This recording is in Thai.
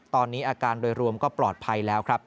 ตอนนี้อาการโดยรวมก็ปลอดภัยแล้วครับ